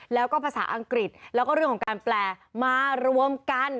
แล้วก็ภาษาอังกฤษแล้วก็เรื่องของการแปลมารวมกัน